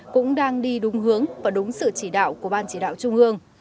cũng đang đi đúng hướng và đúng sự chỉ đạo của ban chỉ đạo trung ương